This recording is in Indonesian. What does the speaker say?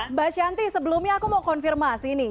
mbak shanti sebelumnya aku mau konfirmasi nih